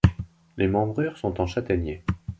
Les membrures sont en châtaignier.